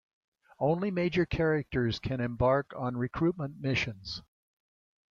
Only major characters can embark on recruitment missions.